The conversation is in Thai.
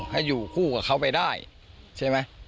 ให้อยู่คู่กับเขาไปได้ใช่ไหม